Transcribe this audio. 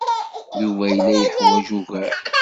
Yuba yella yeḥwaj ugar.